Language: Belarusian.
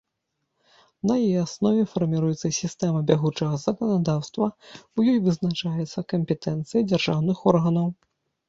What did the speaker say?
На яе аснове фарміруецца сістэма бягучага заканадаўства, у ёй вызначаецца кампетэнцыя дзяржаўных органаў.